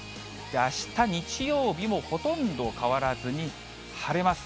あした日曜日もほとんど変わらずに、晴れます。